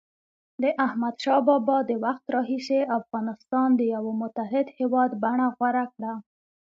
د احمدشاه بابا د وخت راهيسي افغانستان د یوه متحد هېواد بڼه غوره کړه.